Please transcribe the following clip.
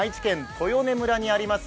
豊根村にあります